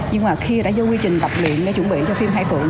nhưng mà khi đã dâu nguyên trình tập luyện để chuẩn bị cho phim hai phượng